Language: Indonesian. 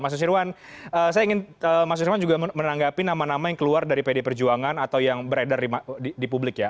mas susirwan saya ingin mas surwan juga menanggapi nama nama yang keluar dari pd perjuangan atau yang beredar di publik ya